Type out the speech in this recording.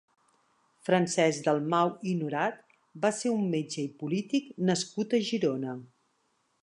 Francesc Dalmau i Norat va ser un metge i polític nascut a Girona.